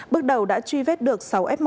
bước đầu đã truy vết được sáu f một